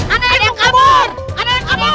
ada yang kabur ada yang kabur